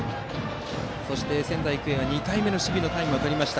そして仙台育英は２回目の守備のタイムをとりました。